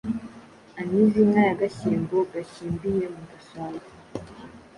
Antize inka ya Gashyimbo, gashyimbiye mu gasabo